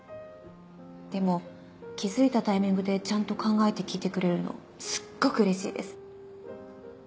でも気付いたタイミングでちゃんと考えて聞いてくれるのすっごくうれしいです。